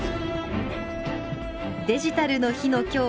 デジタルの日のきょう。